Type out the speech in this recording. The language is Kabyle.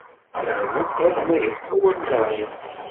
Aru arma yeḥfa wallaɣ-am.